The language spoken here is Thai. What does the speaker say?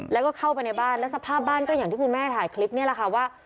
แล้วก็เข้าไปในบ้านแล้วสภาพบ้านก็อย่างที่คุณแม่ถ่ายคลิปนี่แหละค่ะว่า